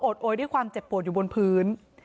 โอยด้วยความเจ็บปวดอยู่บนพื้น